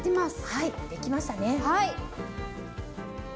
はい！